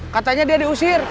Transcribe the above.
katanya dia diusir